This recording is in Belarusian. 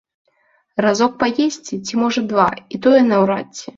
Разок паесці, ці можа два, і тое, наўрад ці.